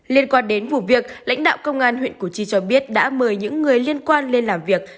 liên quan đến vụ việc lãnh đạo công an huyện củ chi cho biết đã mời những người liên quan lên làm việc